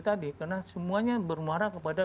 tadi karena semuanya bermuara kepada